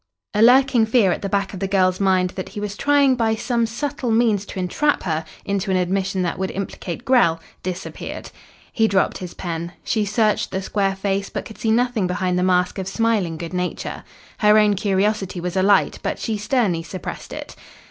A lurking fear at the back of the girl's mind that he was trying by some subtle means to entrap her into an admission that would implicate Grell disappeared. He dropped his pen. She searched the square face, but could see nothing behind the mask of smiling good nature. Her own curiosity was alight, but she sternly suppressed it.